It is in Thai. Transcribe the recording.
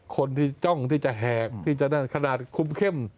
คนที่จ้องที่จะแหกที่จะได้ขนาดคุ้มเข้ม